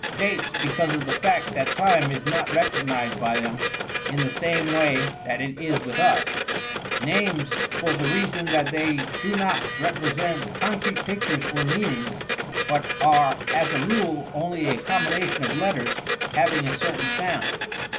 Dates, because of the fact that time is not recognized by them in the same way that it is with ufl. Names, for the reason that they do not represent con crete pictures or meanings, but are as a rule only a com bination of letters having a certain sound.